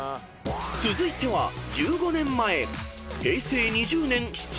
［続いては１５年前］